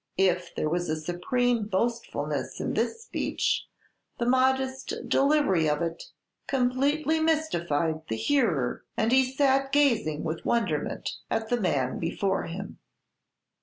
If there was a supreme boastfulness in the speech, the modest delivery of it completely mystified the hearer, and he sat gazing with wonderment at the man before him.